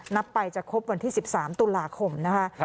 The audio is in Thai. นับไปจะครบวันที่๑๓ตุลาคมนะคะ